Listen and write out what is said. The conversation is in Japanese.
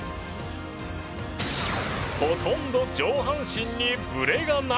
ほとんど上半身にブレがない！